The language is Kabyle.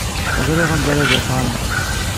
Ẓriɣ anda ara d-afeɣ aman.